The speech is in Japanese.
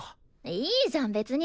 いいじゃん別に。